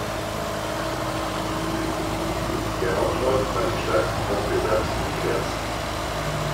Der Hauptort war die Stadt Montpezat-de-Quercy.